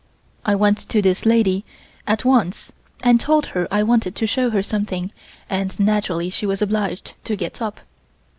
I went to this lady at once and told her I wanted to show her something and naturally she was obliged to get up.